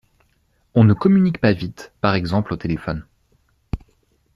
On ne communique pas vite, par exemple Au téléphone.